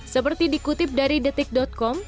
seperti dikutip dari detik com